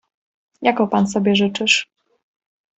"Jaką pan sobie życzysz?"